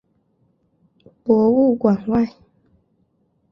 博物馆外